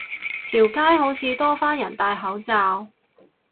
條街好似多返人戴口罩